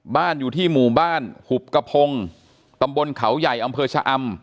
บ้านอยู่ที่หมู่บ้านหุบกระพงตำบลเขาใหญ่อำเภอชะอำ